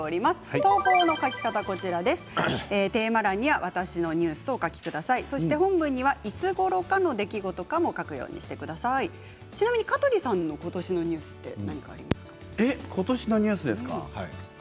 投稿の書き方はテーマ欄には「わたしのニュース」とお書きください、本文にはいつごろかの出来事かもお書きください、ちなみに香取さんのことしことしのニュースですか。